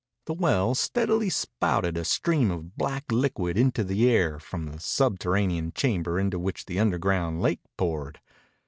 The well steadily spouted a stream of black liquid into the air from the subterranean chamber into which the underground lake poured.